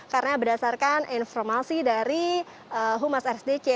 karena berdasarkan informasi dari humas rsdc